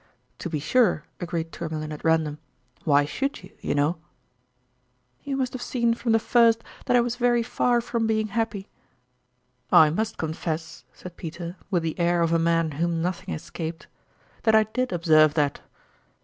" To be sure," agreed Tourmalin at random, " why should you, you know ?"" You must have seen from the first that I was very far from being happy ?"" I must confess," said Peter, with the air of a man whom nothing escaped, " that I did ob serve that."